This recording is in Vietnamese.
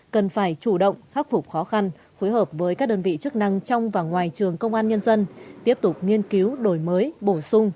cần phải chủ động khắc phục khó khăn phối hợp với các đơn vị chức năng trong và ngoài trường công an nhân dân tiếp tục nghiên cứu đổi mới bổ sung